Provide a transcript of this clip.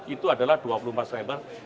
itu adalah dua puluh empat september